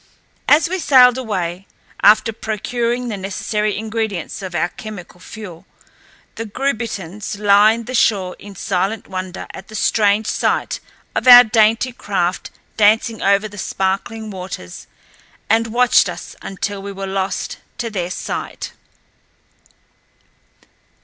As we sailed away, after procuring the necessary ingredients of our chemical fuel, the Grubittens lined the shore in silent wonder at the strange sight of our dainty craft dancing over the sparkling waters, and watched us until we were lost to their sight.